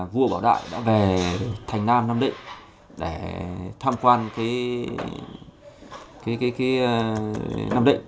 vua bảo đại đã về thành nam nam định để tham quan nam định